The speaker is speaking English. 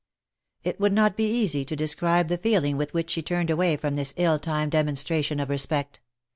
It would not be easy to describe the feeling with which she turned away from this ill timed demonstration of respect.